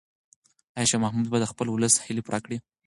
آیا شاه محمود به د خپل ولس هیلې پوره کړي؟